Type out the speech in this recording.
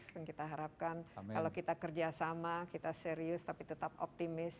dan kita harapkan kalau kita kerja sama kita serius tapi tetap optimis